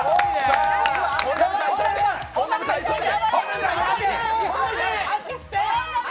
本並さん急いで。